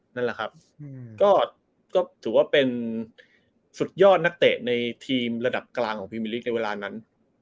นั่นแหละครับก็ถือว่าเป็นสุดยอดนักเตะในทีมระดับกลางของพรีมิลิกในเวลานั้น